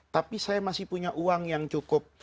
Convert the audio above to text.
tapi saya masih punya uang yang cukup